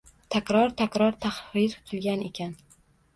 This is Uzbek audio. takror- takror tahrir qilgan ekan.